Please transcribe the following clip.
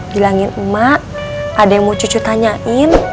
hilangin emak ada yang mau cucu tanyain